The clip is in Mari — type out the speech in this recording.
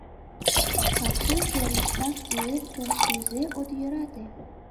Какшан серыштак илет гын, кузе от йӧрате!